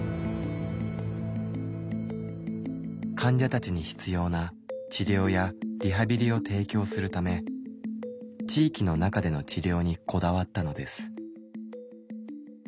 患者たちに必要な治療やリハビリを提供するため地域の中での治療にこだわったのです。